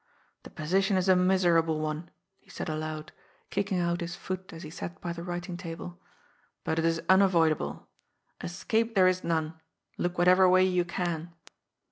*^ The position is a miserable one," he said aloud, kick TWO RIGHTS AND NO WRONG. 299 ing out his foot as he sat by the writing table, " but it is un avoidable. Escape there is none, look whatever way you can."